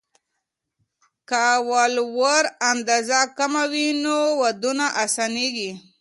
که د ولور اندازه کمه وي، نو ودونه اسانېږي.